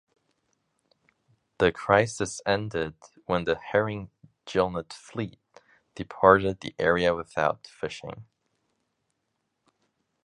The crisis ended when the herring gillnet fleet departed the area without fishing.